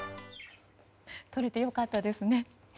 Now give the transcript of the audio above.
取れてよかったですね。